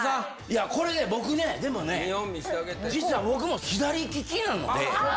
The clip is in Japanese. これね、僕ね、でもね、実は僕も左利きなので。